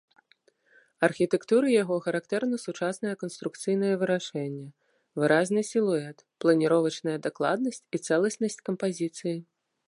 Архітэктуры яго характэрна сучаснае канструкцыйнае вырашэнне, выразны сілуэт, планіровачная дакладнасць і цэласнасць кампазіцыі.